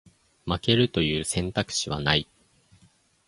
負けるという選択肢はない